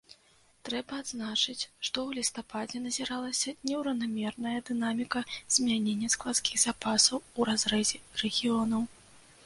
Трэба адзначыць, што ў лістападзе назіралася нераўнамерная дынаміка змянення складскіх запасаў у разрэзе рэгіёнаў.